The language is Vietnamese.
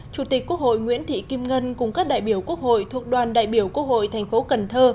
chủ tịch quốc hội nguyễn thị kim ngân cùng các đại biểu quốc hội thuộc đoàn đại biểu quốc hội thành phố cần thơ